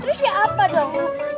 terus siapa dong